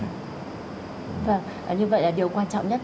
như vậy là điều quan trọng nhất